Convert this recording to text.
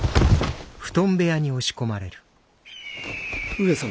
上様！